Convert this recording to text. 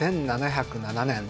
１７０７年